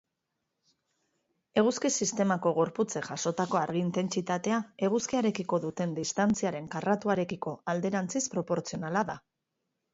Eguzki-sistemako gorputzek jasotako argi-intentsitatea, eguzkiarekiko duten distantziaren karratuarekiko alderantziz proportzionala da.